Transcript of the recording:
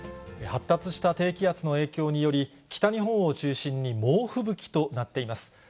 発達した低気圧の影響により、北日本を中心に、猛吹雪となっています。